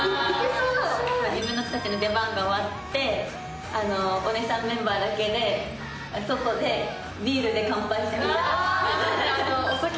自分たちの出番が終わってお姉さんメンバーだけで、外でビールで乾杯して。